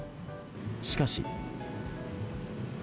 しかし。